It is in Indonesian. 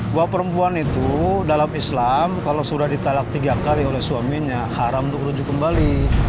bahwa perempuan itu dalam islam kalau sudah ditalak tiga kali oleh suaminya haram untuk rujuk kembali